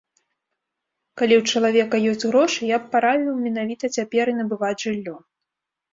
Калі ў чалавека ёсць грошы, я б параіў менавіта цяпер і набываць жыллё.